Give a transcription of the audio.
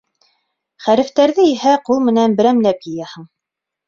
Хәрефтәрҙе иһә ҡул менән берәмләп йыяһың.